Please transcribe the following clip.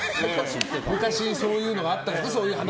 昔そういう話があったんですね。